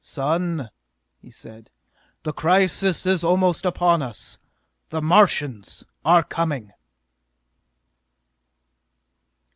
"Son!" he said. "The crisis is almost upon us! The Martians are coming!"